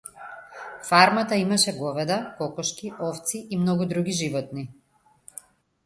Фармата имаше говеда, кокошки, овци и многу други животни.